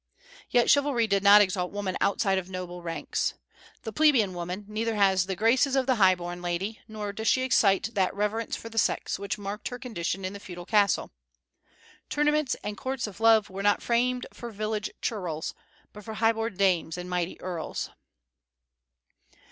Yet chivalry did not exalt woman outside of noble ranks. The plebeian woman neither has the graces of the high born lady, nor does she excite that reverence for the sex which marked her condition in the feudal castle. "Tournaments and courts of love were not framed for village churls, but for high born dames and mighty earls."